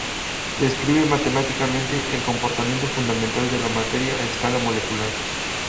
Describe matemáticamente el comportamiento fundamental de la materia a escala molecular.